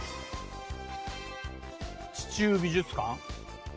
地中美術館？